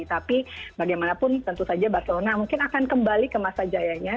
tapi bagaimanapun tentu saja barcelona mungkin akan kembali ke masa jayanya